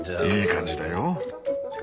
いい感じだよ！